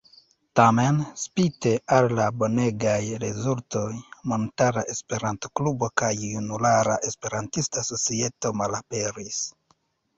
Tamen, spite al la bonegaj rezultoj, Montara Esperanto-Klubo kaj Junulara Esperantista Societo malaperis.